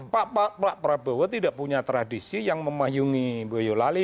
pak prabowo tidak punya tradisi yang memayungi boyolali